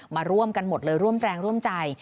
มาร่วมกันหมดเลยร่วมแรงร่วมใจ